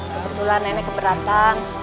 kebetulan nenek keberatan